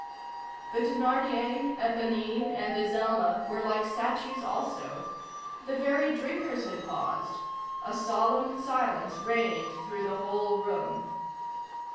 The Thénardier, Éponine, and Azelma were like statues also; the very drinkers had paused; a solemn silence reigned through the whole room.